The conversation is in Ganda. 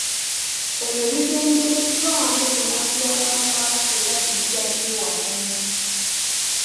Ebyo bigendereddwamu kunafuya Bwakabaka era tujja kubiwakanya.